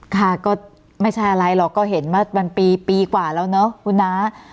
ค่ะก็ไม่ใช่อะไรหรอกก็เห็นมาวันปีปีกว่าแล้วเนอะคุณน้า